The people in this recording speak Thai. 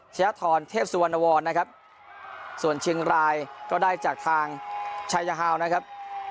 ชนะทรเทพสุวรรณวรนะครับส่วนเชียงรายก็ได้จากทางชายาฮาวนะครับ